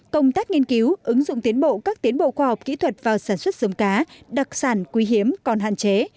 công tác nghiên cứu ứng dụng tiến bộ các tiến bộ khoa học kỹ thuật vào sản xuất giống cá đặc sản quý hiếm còn hạn chế